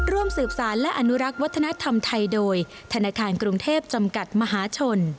ร่วมสืบสารและอนุรักษ์วัฒนธรรมไทยโดยธนาคารกรุงเทพจำกัดมหาชน